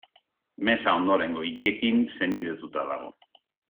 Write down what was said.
Mesa ondorengo hiriekin senidetuta dago.